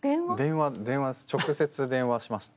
直接電話しました。